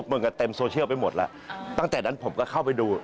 มันก็เต็มโซเชียลไปหมดแล้วตั้งแต่นั้นผมก็เข้าไปดู